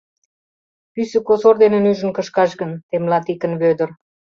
— Пӱсӧ косор дене нӱжын кышкаш гын? — темла Тикын Вӧдыр.